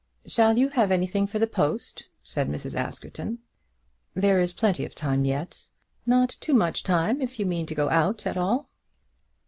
"Shall you have anything for the post?" said Mrs. Askerton. "There is plenty of time yet." "Not too much if you mean to go out at all.